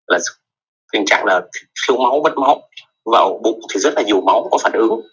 là tình trạng là phiêu máu bất máu vào bụng thì rất là nhiều máu có phản ứng